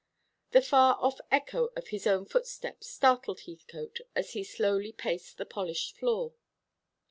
The far off echo of his own footsteps startled Heathcote as he slowly paced the polished floor.